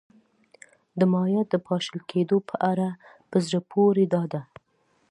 د مایا د پاشل کېدو په اړه په زړه پورې دا ده